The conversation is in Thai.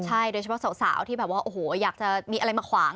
ใช่โดยเฉพาะสาวที่อยากจะมีอะไรมาขวาง